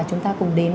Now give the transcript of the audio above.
chúng ta cùng đến